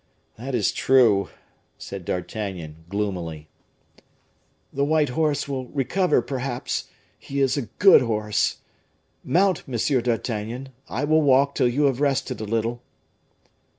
"That is true," said D'Artagnan, gloomily. "The white horse will recover, perhaps; he is a good horse! Mount, Monsieur d'Artagnan; I will walk till you have rested a little."